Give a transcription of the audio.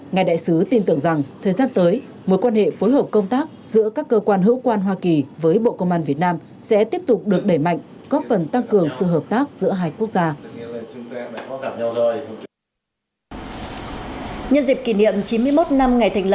ngài đại sứ tin tưởng rằng thời gian tới mối quan hệ phối hợp công tác giữa các cơ quan hữu quan hoa kỳ với bộ công an việt nam sẽ tiếp tục được đẩy mạnh góp phần tăng cường sự hợp tác giữa hai quốc gia